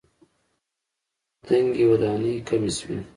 ورو ورو دنګې ودانۍ کمې شوې.